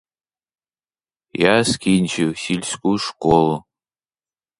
Я скінчив сільську школу.